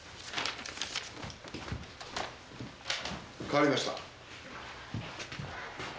代わりました。